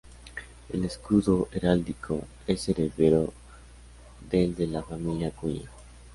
El escudo heráldico es heredero del de la familia Acuña.